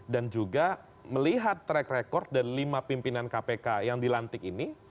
dan juga melihat track record dari lima pimpinan kpk yang dilantik ini